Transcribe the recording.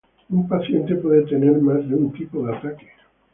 Un paciente puede tener más de un tipo de ataque.